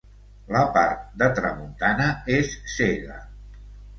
La part de tramuntana és cega.